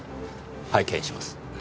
拝見します。